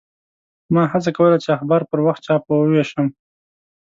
ما هڅه کوله چې اخبار پر وخت چاپ او ووېشم.